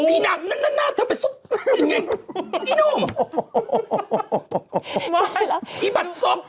อีหน้าหน้าทำเป็นซุปอย่างไรอีหนุ่ม